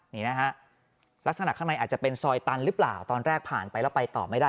นี่นะฮะลักษณะข้างในอาจจะเป็นซอยตันหรือเปล่าตอนแรกผ่านไปแล้วไปต่อไม่ได้